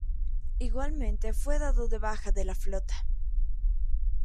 Igualmente fue dado de baja de la flota.